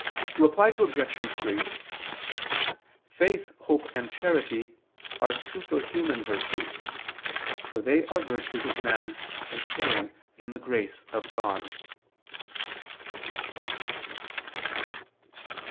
Reply Obj. 3: Faith, hope, and charity are superhuman virtues: for they are virtues of man as sharing in the grace of God.